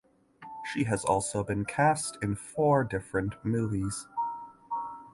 She has also been cast in four different movies.